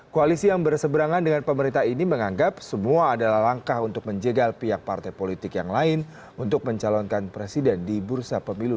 koalisi yang berseberangan dengan pemerintah ini menganggap semua adalah langkah untuk menjegal pihak partai politik yang lain untuk mencalonkan presiden di bursa pemilu dua ribu sembilan belas